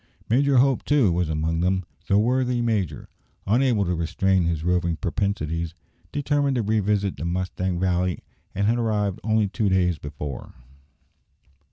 Major Hope, too, was among them. The worthy major, unable to restrain his roving propensities, determined to revisit the Mustang Valley, and had arrived only two days before.